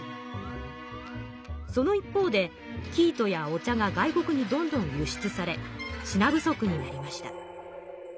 その一方で生糸やお茶が外国にどんどん輸出され品不足になりました。